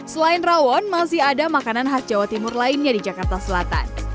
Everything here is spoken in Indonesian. selain rawon masih ada makanan khas jawa timur lainnya di jakarta selatan